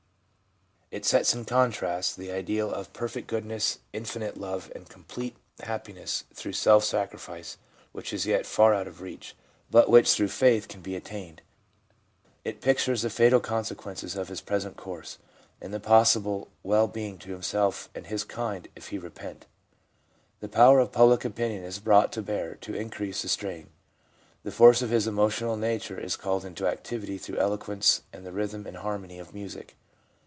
It sets in contrast the ideal of perfect goodness, infinite love, and complete 4 o6 THE PSYCHOLOGY OF RELIGION happiness through self sacrifice, which is yet far out of reach, but which, through faith, can be attained. It pictures the fatal consequences of his present course, and the possible well being to himself and his kind if he repent. The power of public opinion is brought to bear to increase the strain. The force of his emotional nature is called into activity through eloquence and the rhythm and harmony of music.